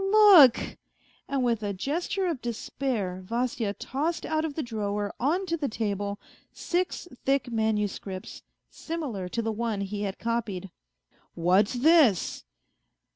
" Look !" And with a gesture of despair Vasya tossed out of the drawer on to the table six thick manuscripts, similar to the one he had copied. " What's this